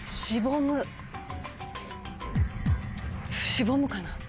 しぼむかな？